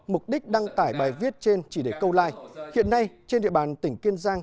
mục đích đăng tải bài viết trên chỉ để câu like hiện nay trên địa bàn tỉnh kiên giang